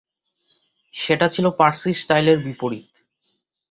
সেটা ছিল পারসি স্টাইলের বিপরীত।